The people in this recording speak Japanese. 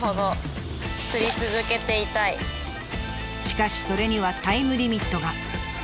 しかしそれにはタイムリミットが。